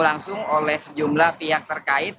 langsung oleh sejumlah pihak terkait